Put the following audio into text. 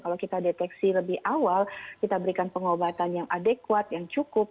kalau kita deteksi lebih awal kita berikan pengobatan yang adekuat yang cukup